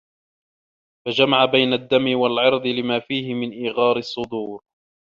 فَجَمَعَ بَيْنَ الدَّمِ وَالْعِرْضِ لِمَا فِيهِ مِنْ إيغَارِ الصُّدُورِ